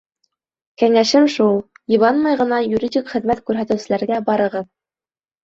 Кәңәшем шул: йыбанмай ғына юридик хеҙмәт күрһәтеүселәргә барығыҙ.